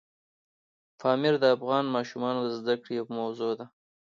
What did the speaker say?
پامیر د افغان ماشومانو د زده کړې یوه موضوع ده.